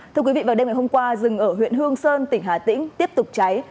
thưa quý vị vào đêm ngày hôm qua rừng ở huyện hương sơn tỉnh hà tĩnh tiếp tục cháy